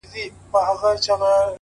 • چي نیکونو به ویله بس همدغه انقلاب دی,